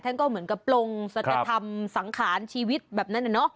แต่ก็เหมือนกับปลงศักดิ์ธรรมสังขารชีวิตแบบนั้นเนอะ